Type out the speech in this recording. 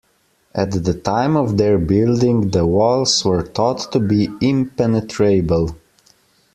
At the time of their building, the walls were thought to be impenetrable.